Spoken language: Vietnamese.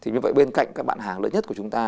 như vậy bên cạnh các bạn hàng lớn nhất của chúng ta